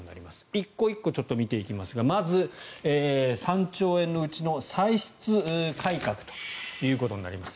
１個１個見ていきますがまず、３兆円のうちの歳出改革ということになります。